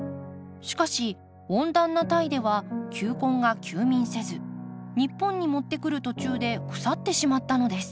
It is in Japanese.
しかし温暖なタイでは球根が休眠せず日本に持ってくる途中で腐ってしまったのです。